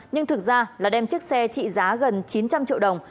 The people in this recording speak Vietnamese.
nhưng thực ra là đem chiếc xe trị giá gần chín trăm linh triệu đồng